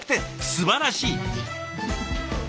すばらしい。